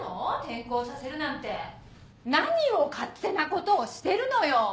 転校させるなんて・何を勝手なことをしてるのよ！